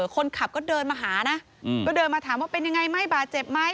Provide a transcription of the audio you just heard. คนขับก็เดินมาหานะก็เดินมาถามว่าเป็นยังไงไหมบาดเจ็บไหม